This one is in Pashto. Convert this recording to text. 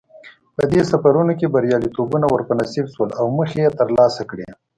په دې سفرونو کې بریالیتوبونه ور په نصیب شول او موخې یې ترلاسه کړې.